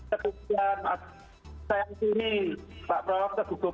saya ingin pak prof ke gugup kami pak prof